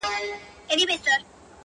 • جانه ته ځې يوه پردي وطن ته.